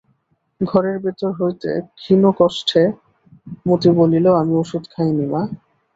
ঘরের ভিতর হইতে ক্ষীণকষ্ঠে মতি বলিল, আমি ওষুধ খাইনি মা।